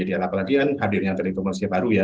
diadakan hadirnya telekomunikasi baru ya